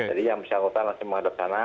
jadi yang bersangkutan langsung menghadap sana